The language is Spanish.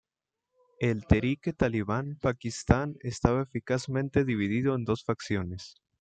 El Tehrik-e-Talibán Pakistán estaba eficazmente dividido en dos facciones.